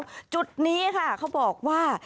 คุณผู้ชมค่ะเป็นจุดที่